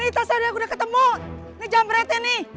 kita sudah ketemu ini jamret ya nih